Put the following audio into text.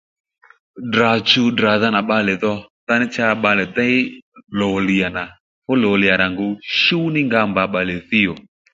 Ddrà chuw tdradha nà bbalè dho ndaní cha bbalè déy lò lǐyà nà fú lò lǐyà rà ngu shú ní nga mba bbalè thíy ò